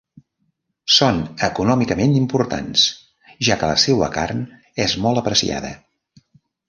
Són econòmicament importants, ja que la seua carn és molt apreciada.